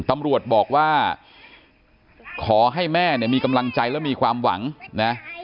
ตำรวจบอกว่าขอให้แม่เนี่ยมีกำลังใจและมีความหวังนะ